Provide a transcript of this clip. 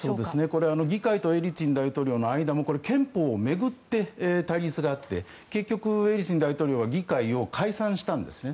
これは議会とエリツィン氏の間もこれ、憲法を巡って対立があって結局、エリツィン大統領は議会を解散したんですね。